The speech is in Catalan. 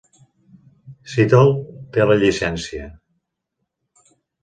Seattle té la llicència.